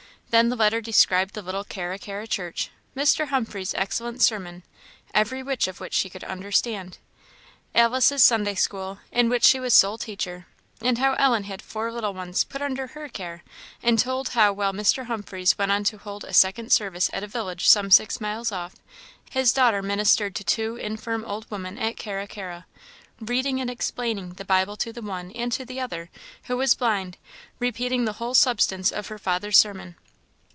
Then the letter described the little Carra carra church Mr. Humphreys' excellent sermon, "every word of which she could understand;" Alice's Sunday school, in which she was sole teacher; and how Ellen had four little ones put under her care; and told how while Mr. Humphreys went on to hold a second service at a village some six miles off, his daughter ministered to two infirm old women at Carra carra reading and explaining the Bible to the one and to the other, who was blind, repeating the whole substance of her father's sermon.